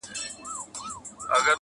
په مالت کي خاموشي سوه وخت د جام سو -